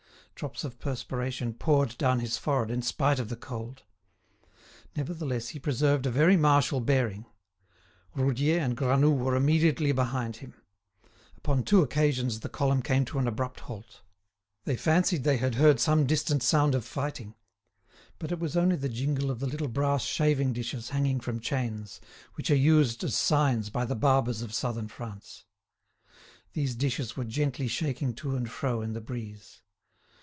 Drops of perspiration poured down his forehead in spite of the cold. Nevertheless he preserved a very martial bearing. Roudier and Granoux were immediately behind him. Upon two occasions the column came to an abrupt halt. They fancied they had heard some distant sound of fighting; but it was only the jingle of the little brass shaving dishes hanging from chains, which are used as signs by the barbers of Southern France. These dishes were gently shaking to and fro in the breeze.